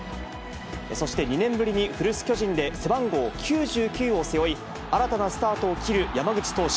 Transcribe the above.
そして２年ぶりに古巣、巨人で、背番号９９を背負い、新たなスタートを切る山口投手。